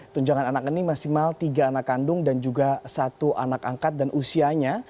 tunjangan anak ini maksimal tiga anak kandung dan juga satu anak angkat dan usianya